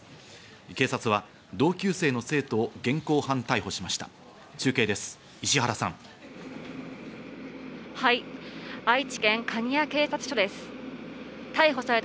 警察は同級生の生徒を現行犯逮捕しました。